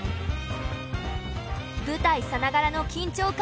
舞台さながらの緊張感